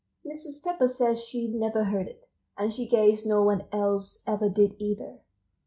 Mrs. Pepper said she never heard it, and she guessed no one else ever did either.